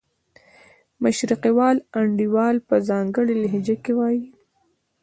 مشرقي وال انډیوال په ځانګړې لهجه کې وایي.